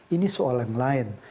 ini soal yang lain